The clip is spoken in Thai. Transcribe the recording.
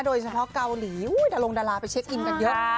โดยเฉพาะเกาหลีดารงดาราไปเช็คอินกันเยอะ